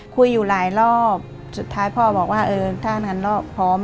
คุยอยู่หลายรอบสุดท้ายพ่อบอกว่าเออถ้างั้นรอบพร้อม